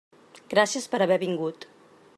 Gràcies per haver vingut.